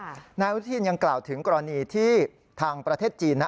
นายอนุทินยังกล่าวถึงกรณีที่ทางประเทศจีนนะ